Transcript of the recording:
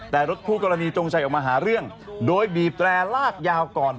แต่รถคู่กรณีจงชัยออกมาหาเรื่องโดยบีบแตรลากยาวก่อน